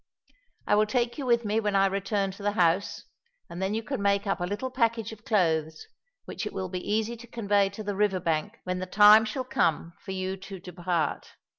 I will take you with me when I return to the house, and then you can make up a little package of clothes which it will be easy to convey to the river bank when the time shall come for you to depart.